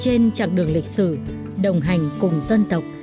trên chặng đường lịch sử đồng hành cùng dân tộc